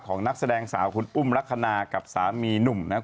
นักแสดงสาวคุณอุ้มลักษณะกับสามีหนุ่มนะครับ